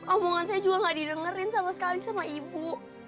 omongan saya juga gak didengerin sama sekali sama ibu